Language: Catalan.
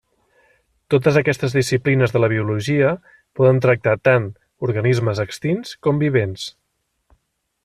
Totes aquestes disciplines de la biologia poden tractar tant organismes extints com vivents.